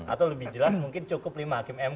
atau lebih jelas mungkin cukup lima hakim mk